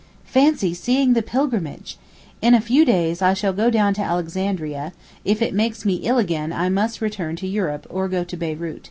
Fancy seeing the pilgrimage! In a few days I shall go down to Alexandria, if it makes me ill again I must return to Europe or go to Beyrout.